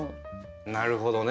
なるほどね。